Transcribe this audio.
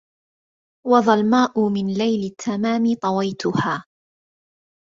وظلماء من ليل التمام طويتها